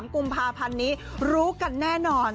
๓กุมภาพันธ์นี้รู้กันแน่นอน